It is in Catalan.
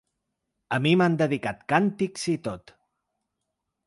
A mi m’han dedicat càntics i tot.